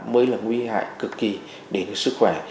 mới là nguy hại cực kỳ đến sức khỏe